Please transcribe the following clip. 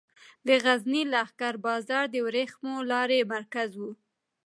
د غزني لښکر بازار د ورېښمو لارې مرکز و